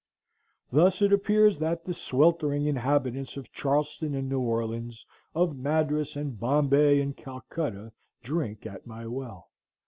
Thus it appears that the sweltering inhabitants of Charleston and New Orleans, of Madras and Bombay and Calcutta, drink at my well.